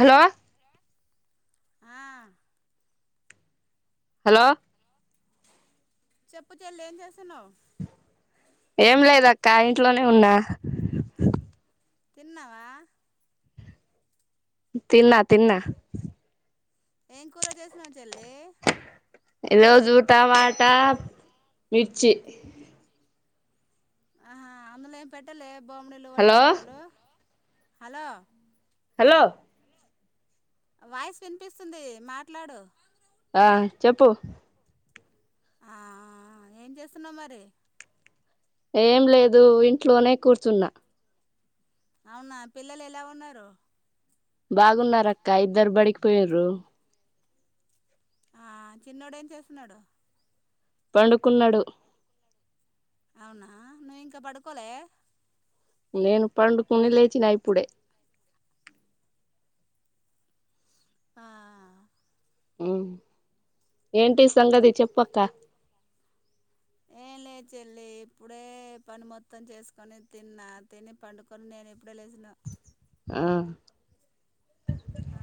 Hello ఆ hello చెప్పు చెల్లి ఏం చేస్తున్నావ్ ఏం లేద అక్క ఇంట్లోనే ఉన్నా తిన్నవా తిన్నా తిన్నా ఏం కూర చేసినావ చెల్లి ఈ రోజు టమాటా మిర్చి ఆహా అందులో ఏం పెట్టలే బొమ్మడీలు ఒట్టి హలో చాపలు హలో హలో వాయిస్ వినిపిస్తుంది మాట్లాడు ఆ చెప్పు హ్మ ఏం చేస్తున్నావు మరి ఏం లేదు ఇంట్లోనే కూర్చున్నా అవునా పిల్లలు ఎలా ఉన్నారు బాగున్నారు అక్క ఇద్దరు బడికిపోయారు ఆ చిన్నడు ఏం చేస్తున్నాడు పండుకున్నాడు అవునా నువ్వు ఇంకా పడుకోలే నేను పండుకుని లేచినా ఇప్పుడే ఆ ఏంటి సంగతి చెప్పక్క లే చెల్లి ఇప్పుడే పని మొత్తం చేసుకొని తిన్నా తిని పండుకొని నేను ఇప్పుడే లేసిన ఆ ఆ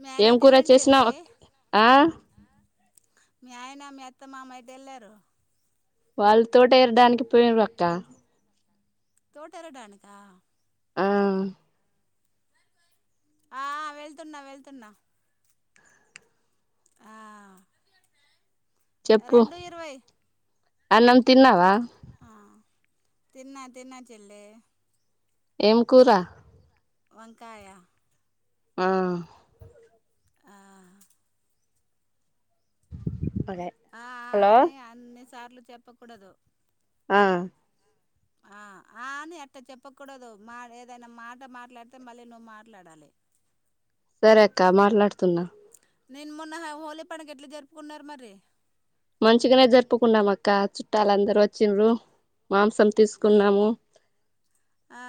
మీ ఆయన ఏం ఎటు కూర వెళ్ళిండు చెల్లి చేసినావు ఆ మీ ఆయన మ అత్త మామయట వెళ్ళారు వాళ్ళు తోట ఎరడానికి పోయిన పక్క తోట రటనుకా ఆ ఆ వెళ్తున్నా వెళ్తున్నా ఆ, రెండు ఇరవై అమ్ తిన్నావా తనా తనా చేల్ల్లే ఏం కూరా వంకాయా ఆ ఆ, ఆ, అ హలో సార్లు చెప్పకూడదు ఆ ఆ, ఆ అని అట్ట చెప్పకూడదు మా ఏదైనా మాట మాట్లాడితే మళ్ళీ నువ్వు మాట్లాడాలి సరే అక్క మాట్లాడుతున్నా నేను మొన్న హోలీ పడుగ ఎట్లా జరుపుకున్నారు మరి మంచిగానే జరుపుకున్నాం అక్క చుట్టాలుందరుూ వచ్చిన్రు మాంసం ఆ. తీసుకున్నాము ఆ,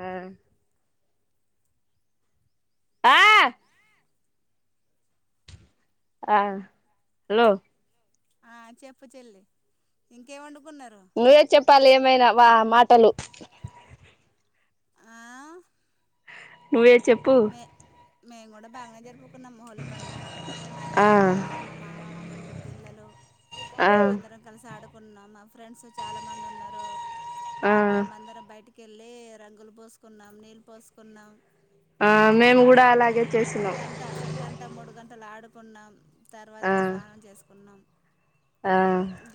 ఆ ఆ ఆ హలో ఆ చెప్ప చెల్లి ఇంకేమండు నువ్వే చెప్పాలి ఏమైనా వా మాటలు ఆ? నువ్వే చెప్పు మే మేము కూడా బాగానే జరుపుకున్నాం హోలీ పడుగ మా ఆ ఇంట్లో మా అత్త మామ మా ముగ్గురు పిల్లలు ఆ మేము అందరం కలిసి ఆడుకున్నాం మా ఫ్రెండ్స్ చాలా మంది ఉన్నారు ఆ వాళ్ళు మేమందరం బయటికి వెళ్ళి రంగులు పోసుకున్నాం నీళ్ళు పోసుకున్నాం ఆ మేము చా కూడా గ అలాగే చేసినాం గంట గంట మూడు గంటలు ఆడుకున్నాం ఆ తర్వాత స్నానం చేసుకున్నాం ఆ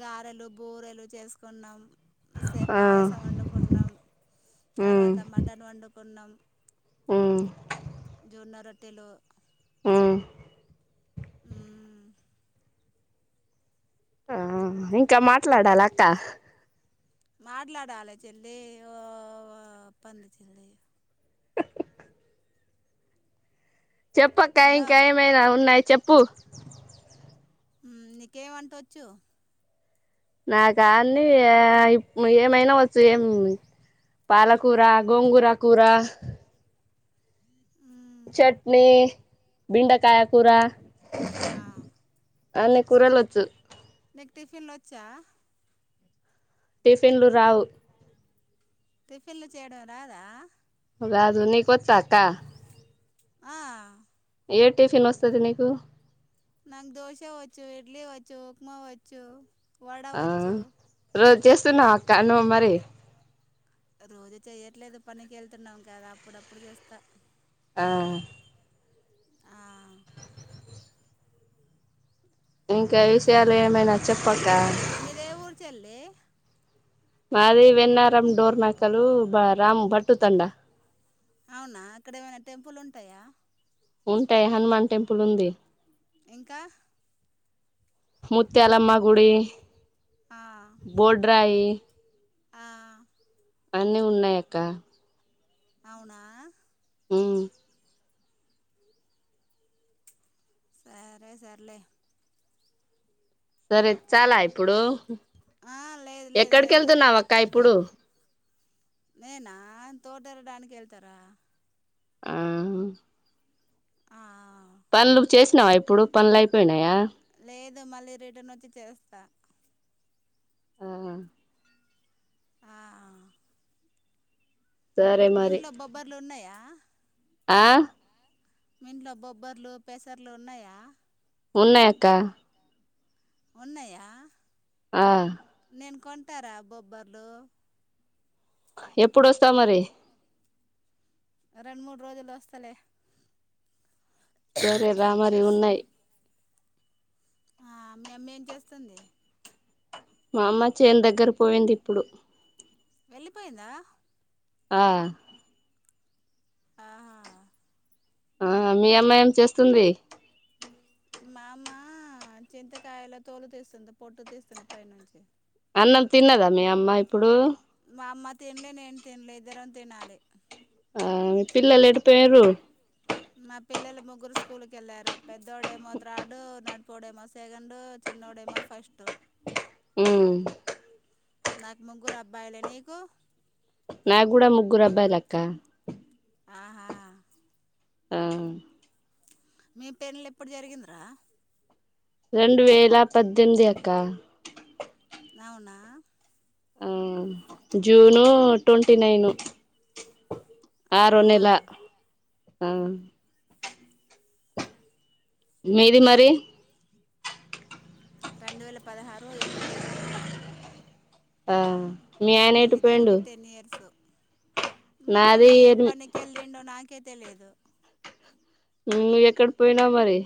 గారెలు బోరెలు చేసుకున్నాం సే ఆ పాయసం వండుకున్నాం ఉమ్ తర్వాత మటన్ వండుకున్నాం ఉమ్ జోన్న రట్టెలో ఆ ఆ ఆ ఇంకా మాట్లాడాలి అక్క మాట్లాడాలి చెల్లిప్పంది చెల్లి చెప్పక్క హలో ఇంకా ఏమైనా ఉన్నాయి చెప్పు నీకేమంటవచ్చు నా కాన్ని ఏమైనా వచ్చు ఏం పాలకూర గోంగూర కూర చట్నీ బిండకాయ కూర అన్నీ కూరల వచ్చు టిఫిన్ వచ్చా టిఫిన్లు రావు టిఫిన్లు చేయడం రాదా రాదు నీకొచ్చా అక్క ఆ ఏ టిఫిన్ వస్తది నీకు నాకు దోశ వచ్చు ఇడ్లీ వచ్చు ఉప్మా వచ్చు వడ ఆ వచ్చు రోజు చేస్తున్నావ్ అక్క నువ్ మరి రోజు చెయ్యట్లేదు పనికి వెళ్తున్నాం కదా అప్పుడప్పుడు చేస్తా ఆ ఇంకా విషయాలు ఏమైనా చెప్పక మీదే ఊరు చెల్లి మాది వెన్నారం డోర్ నాకలు బా రామ్ భట్టు తండ అవునా అక్కడ ఏమైనా టెంపుల్ ఉంటాయా ఉంటాయి హనుమాన్ టెంపుల్ ఉంది ఇంకా ముత్యాలమ్మ గుడి బోడ్ రాయి అన్నీ ఉన్నాయక్క అవునా ఉమ్ సరే సర్లే సరే చాలా ఇప్పుడు ఆ లేదు లేదు ఎక్కడికి లేదు వెళ్తున్నావ్ అక్క ఇప్పుడు నేనా దూదల్డానికి వెళ్తారా ఆ ఆ పనులు చేసినావా ఇప్పుడు పనులు అయిపోయినాయా లేదు మళ్ళీ రిటర్న్ వచ్చి చేస్తా ఆ ఆ సరే మీ మరి ఇంట్లో బొబ్బర్లు ఉన్నాయా ఆ ఇంట్లో బొబ్బర్లు పెసర్లు ఉన్నాయా ఉన్నాయిక్క ఉన్నాయ ఆ మీరు కొంటారా బొబ్బర్లు ఎప్పుడొస్తావ్ మరి రెండు మూడు రోజుల్లో వస్తలే సరే రా మరి ఉన్నాయి ఆ మీ అమ్మేం చేస్తుంది మా అమ్మ చేన్ దగ్గర పోయింది ఇప్పుడు వెళ్లిపోయిందా ఆ ఆహా ఆ మీ అమ్మ ఏం చేస్తుంది మామ చింతకాయల తోలు తీస్తుంది పొట్టు తీస్తుంది పైనుంచి అన్నం తిన్నదా మీ అమ్మ ఇప్పుడు మా అమ్మ తినలే నేను తినలే ఇద్దరం తినాలి ఆ మీ పిల్లలు ఎటుపోయారు మా పిల్లలు ముగ్గురు స్కూల్కి వెళ్లారు. పెద్దోడుమో త్రాడు నడిపుడేమో సెకండు చిన్నోడు ఏమో ఫస్ట్ ఉమ్ నాకు ముగ్గురు అబ్బాయిలే నీకు నా కూడా ముగ్గురు అబ్బాయిలు అక్క ఆహా ఆ మీ పెళ్లి ఎప్పుడు జరిగిందరా రెండు వేల పద్దెనిమిది అక్క అవునా ఆ జూను ట్వంటీ నైను ఆరో ఆహా నెల ఆ మీది మరి రెండు వేల పదహారు ఏప్రిల్ ఇరవై ఏడు ఆ మీ నా ఆయన ఎటు పెళ్లి పోయిండు జరిగి టెన్ ఇయర్స్ ఆయన నాది ఏం ఎనిమి పనికి వెళ్ళండో నాకే తెలియదు ను ఎక్కడకి పోయినావు మరి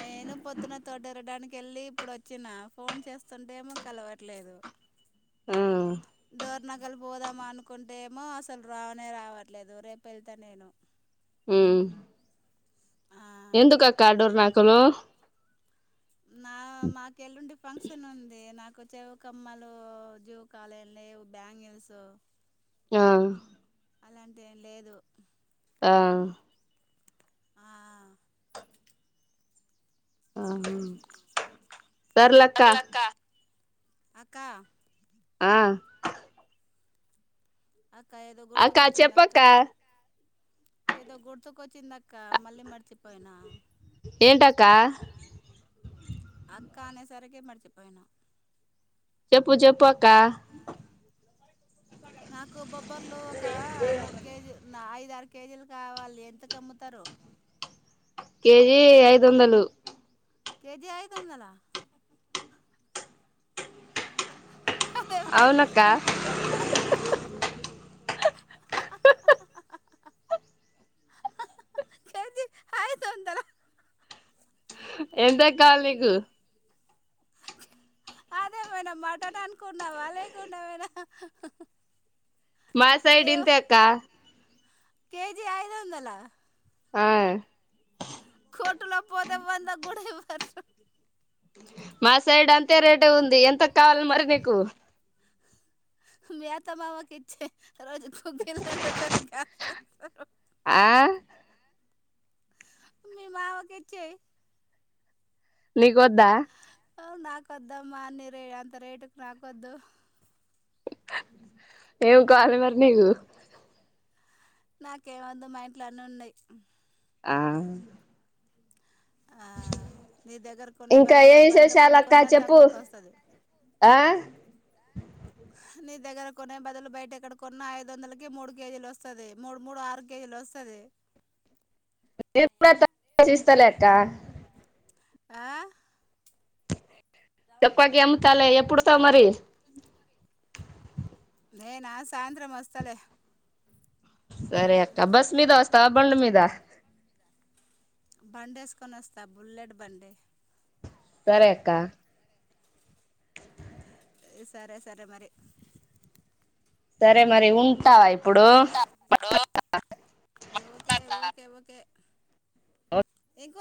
ఏ నేను పొద్దున్న తోటరడానికి వెళ్ళి, ఇప్పుడు వచ్చిన ఫోన్ చేస్తుంటేమో కలవట్లేదు. ఆ డోర్ నగలు పోదాం అనుకుంటేమో, అసలు రావనే రావట్లేదు రేపు వెళ్తా నేను. ఉమ్ ఆ ఎందుకు అక్క ఆ డోర్ నాక్కలు నా మాకు ఎల్లుండి ఫంక్షన్ ఉంది. నాకు వచ్ చెవు కమ్మలు, జూకాలు ఎమ్ లేవు బ్యాంగిల్స్, ఆ అలాంటి లేదు ఆ ఆ ఆహా సర్లే అక్క అక్క ఆ అక్క, ఏదో అక్క గుర్తుకొచ్చింది అక్క. చెప్పక్క ఏదో గుర్తుకు వచ్చిందాక్క, మళ్ళీ మర్చిపోయినా. క్క అక్క అనేసరికి మర్చిపోయినా. చెప్పు చెప్పు అక్క నాకు బొబ్బర్లు ఒక మూడు కేజీ ఐద్ ఆర్ కేజీలు కావాలి. ఎంతకు అమ్ముతారు. కేజి ఐదు వందలు కేజీ ఐదు వందల అవునక్క [inaudible] కేజీ ఐదు వందల [inaudible] ఎంతాకు కావాలి నీకు [inaudible] అదేమైనా మటన్ అనుకున్నావా లేకుడామైనా మా సైడ్ ఇంతే అక్క కేెజీ ఐదు వందల హా కొట్టు లోకి పోతే వంద కుడ ఇవర్ మా సైడ్ అంతే రేటు ఉంది. ఎంతకు కావాలి మరి నీకు? మేత మామకి ఇచ్చేయి రోజు గుగ్గిలండుకొని కాస్తారు. ఆ మీ మామకి ఇచ్చేయి. నీకు వద్దా? ఓ నాకొద్దమ్మా అన్ని రే అంత రేటుకి నాకొద్దు. ఏం కావాలి మరి నీకు? నాకేమద్దు మా ఇంట్ల అన్నీ ఉన్నయి. ఆ ఆ, నీ దగ్గర కొనే ఇంకా బదులు ఏ బయట విశేషాలు అక్క కొనుకున్న చెప్పు తక్కువకు వస్తది. ఆ నీ దగ్గర కొనే బదులు బయట ఎక్కడ కొన్నా ఐదు వందలకి మూడు కేజీలు వస్తది. మూడు మూడు ఆరు కేజీలు వస్తది. నేను కూడా తక్కువకి ఇస్తాలే అక్క ఆ చెప్పకి అమ్ముతాలి ఎప్పుడుతా మరి నేనా సాయంత్రం వస్తలే. సరే అక్క బస్ మీద వస్తవ, బండి మీద బండి ఏసుకొని అస్తా బుల్లెట్ బండి. సరే అక్క. సరే సరే మరి. సరే మరి ఉంటావా ఇప్పుడు. ఓకే ఓకే అవ ఫిప్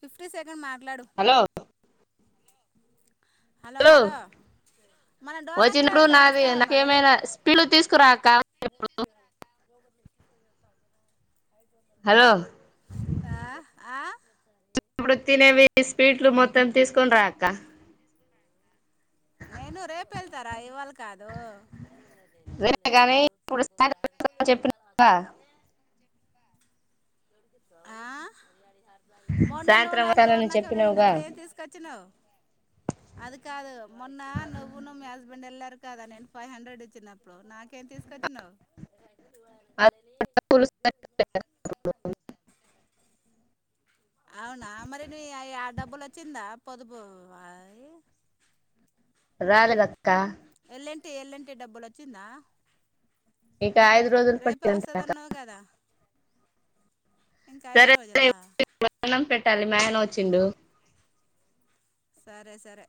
ఫిఫ్టీ సెకండ్ మాట్లాడు. హలో హలో హలో మనం డోర్నాకే వచ్చినప్పుడు వెళ్దాం నాది వస్తావా మరి నాకేమైనా స్పీడులు తీసుకురా అక్క. హలో ఆ ఆ కొ తినేవి స్వీట్లు మొత్తం తీసుకొని రా అక్కా. నేను రేపు ఎళ్తరా ఇవాళ కాద్. అదే కానీ శనివారం ఇప్పుడు సరిపో సాయంత్రం [unintelligible] చెప్పినావుగా అరసకునే ఆ మొన్న నువ్వు సాయంత్రం నాకు వస్తానని డోర్నాకల్ చెప్పినావుగా ఎళ్ళినప్పుడు నాకు ఏం తీసుకొచ్చినవు అది కాదు మొన్న నవ్వున్ను మీ హస్బెండ్ ఎల్లా రు కదా నేను ఫైవ్ హండ్రెడ్ ఇచ్చినప్పుడు నాకేం తీసుకొచ్చినవు. [inaudible] అవునా మరి నీ అయి ఆ డబ్బులు వచ్చిందా? పొదుపు అయి రాలేదక్కా. ఎల్లంటి ఎల్లంటి డబ్బులు వచ్చిందా. ఇంకా ఐదు రోజులు రేపే పట్టిందాక వస్తుందన్నావు కదా ఇంకా ఐదు సరే రోజులా మరి [inaudible] నం పెట్టాలి మా ఆయన వచ్చిండు. సరే సరే